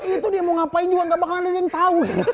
itu dia mau ngapain juga gak bakalan ada yang tahu